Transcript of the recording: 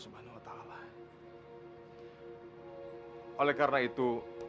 oleh karena itu